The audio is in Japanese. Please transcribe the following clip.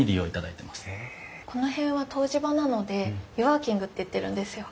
この辺は湯治場なので「湯ワーキング」っていってるんですよ。